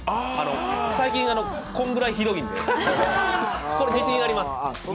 最近こんぐらい広いんで、これ自信あります。